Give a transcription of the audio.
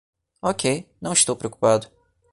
Ok, não estou preocupado.